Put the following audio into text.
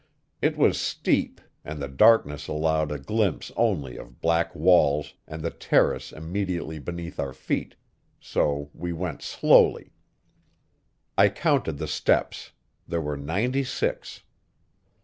It was steep, and the darkness allowed a glimpse only of black walls and the terrace immediately beneath our feet; so we went slowly. I counted the steps; there were ninety six.